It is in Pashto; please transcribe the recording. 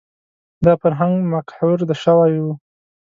دا فرهنګ مقهور شوی و